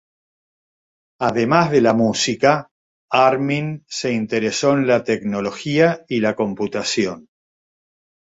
Además de la música, Armin se interesó en la tecnología y la computación.